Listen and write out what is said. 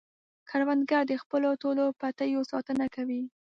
کروندګر د خپلو ټولو پټیو ساتنه کوي